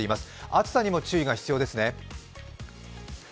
暑さにも注意が必要ですね。